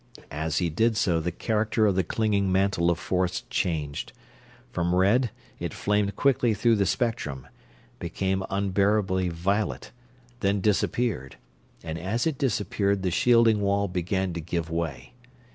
As he did so the character of the clinging mantle of force changed. From red it flamed quickly through the spectrum, became unbearably violet, then disappeared; and as it disappeared the shielding wall began to give way.